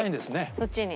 そっちに。